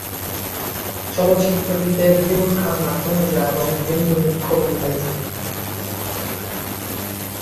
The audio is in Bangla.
চলচ্চিত্রটিতে বিনোদ খান্না, তনুজা এবং বিন্দু মুখ্য ভূমিকায় ছিলেন।